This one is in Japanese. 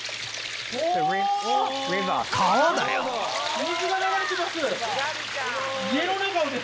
水が流れてます！